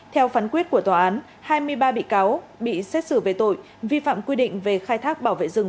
theo phán quyết của tòa án hai mươi ba bị cáo bị xét xử về tội vi phạm quy định về khai thác bảo vệ rừng